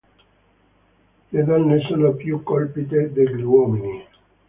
Le donne sono più colpite degli uomini.